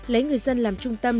lấy người dân làm trung tâm